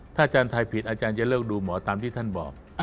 อาจารย์ไทยผิดอาจารย์จะเลิกดูหมอตามที่ท่านบอก